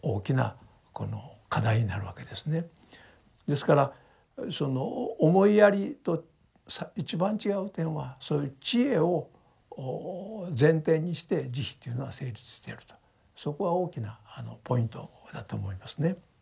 ですからその思いやりと一番違う点はそういう智慧を前提にして慈悲というのが成立しているとそこが大きなポイントだと思いますね。